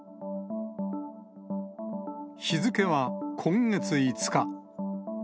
日付は今月５日。